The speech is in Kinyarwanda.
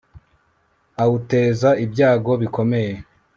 awuteza ibyago bikomeye